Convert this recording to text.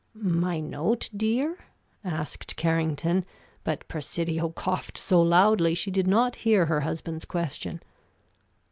"My note, dear?" asked Carrington, but Presidio coughed so loudly she did not hear her husband's question.